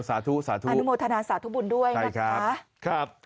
อันนุโมทนาสาธุบุญด้วยนะครับ